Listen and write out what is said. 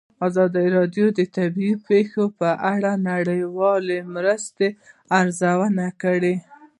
ازادي راډیو د طبیعي پېښې په اړه د نړیوالو مرستو ارزونه کړې.